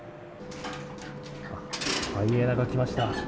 ハイエナが来ました。